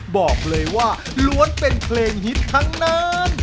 บอกเลยว่าล้วนเป็นเพลงฮิตทั้งนั้น